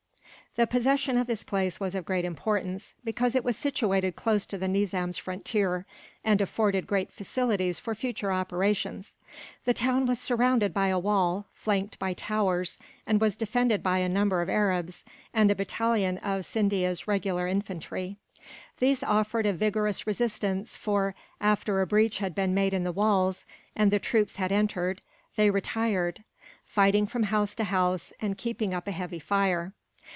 The possession of this place was of great importance, because it was situated close to the Nizam's frontier, and afforded great facilities for future operations. The town was surrounded by a wall, flanked by towers; and was defended by a number of Arabs, and a battalion of Scindia's regular infantry. These offered a vigorous resistance for, after a breach had been made in the walls, and the troops had entered, they retired; fighting from house to house, and keeping up a heavy fire.